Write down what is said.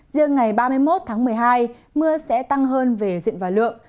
riêng ngày ba mươi một tháng một mươi hai mưa sẽ tăng hơn về diện và lượng